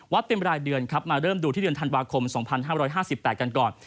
เป็นรายเดือนครับมาเริ่มดูที่เดือนธันวาคม๒๕๕๘กันก่อน